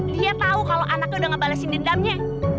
dia tau kalo anaknya udah ngebalesin dendamnya